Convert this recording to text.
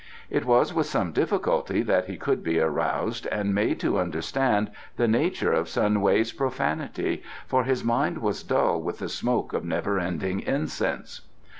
It was with some difficulty that he could be aroused and made to understand the nature of Sun Wei's profanity, for his mind was dull with the smoke of never ending incense.